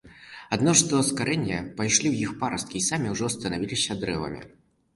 Адно што з карэння пайшлі ў іх парасткі і самі ўжо станавіліся дрэвамі.